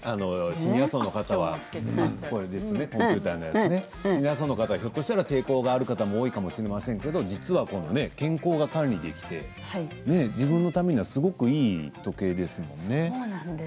シニア層の方はひょっとしたら抵抗があるかもしれませんけど実は健康が管理できて自分のためにはすごくいい時計ですものね。